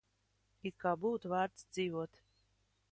It kā būtu vērts dzīvot.